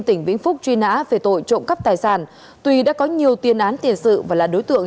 tỉnh vĩnh phúc truy nã về tội trộm cắp tài sản tuy đã có nhiều tiền án tiền sự và là đối tượng